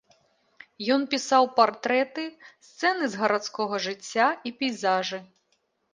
Ён пісаў партрэты, сцэны з гарадскога жыцця і пейзажы.